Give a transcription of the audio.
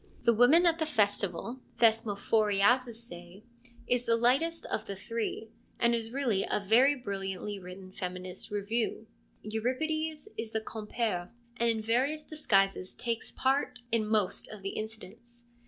The Women at the Festival — Thesmophoriazusoe — is the lightest of the three, and is really a very brilliantly written feminist ' revue.' Euripides is the ' compere,' and in various disguises takes part in most of the incidents.